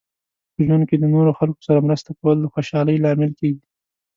په ژوند کې د نورو خلکو سره مرسته کول د خوشحالۍ لامل کیږي.